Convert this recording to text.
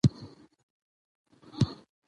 له بلي تړي پورته غوغا سي